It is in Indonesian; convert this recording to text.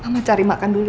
mama cari makan dulu ya